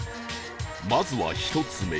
まずは１つ目